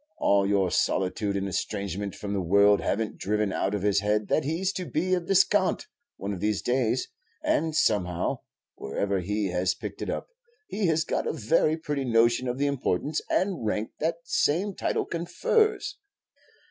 All your solitude and estrangement from the world have n't driven out of his head that he's to be a Viscount one of these days; and somehow, wherever he has picked it up, he has got a very pretty notion of the importance and rank that same title confers."